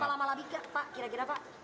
berapa lama lagi kira kira pak